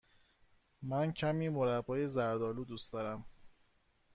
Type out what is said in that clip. من کمی مربای زرد آلو دوست دارم.